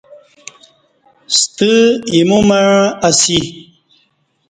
ستہ ایمو مع اسی